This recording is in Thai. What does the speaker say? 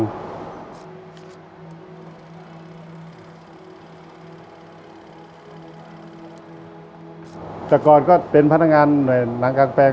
สวัสดีครับผมชื่อสามารถชานุบาลชื่อเล่นว่าขิงถ่ายหนังสุ่นแห่ง